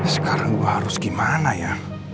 sekarang harus gimana ya